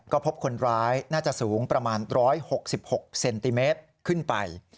ก็พบคนร้ายน่าจะสูงประมาณ๑๖๖เซนติเมตรขึ้นไป